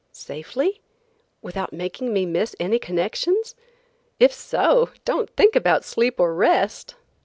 "Safely? Without making me miss any connections? If so, don't think about sleep or rest."